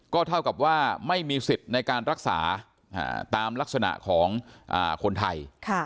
ก็เท่ากับว่าไม่มีสิทธิ์ในการรักษาตามลักษณะของคนไทย